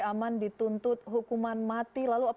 aman dituntut hukuman mati